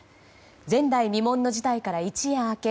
前代未聞の事態から一夜明け